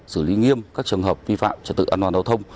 xử lý nghiêm các trường hợp vi phạm trật tự an toàn giao thông